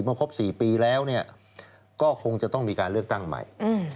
ครบ๔ปีแล้วก็คงจะต้องมีการเลือกตั้งใหม่